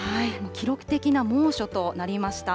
記録的な猛暑となりました。